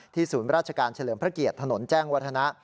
ศูนย์ราชการเฉลิมพระเกียรติถนนแจ้งวัฒนะ